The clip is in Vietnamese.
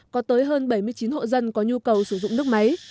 có tới hơn bảy mươi chín hộ dân có nhu cầu sử dụng nước máy